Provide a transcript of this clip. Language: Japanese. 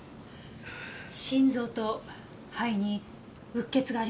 心臓と肺にうっ血がありませんか？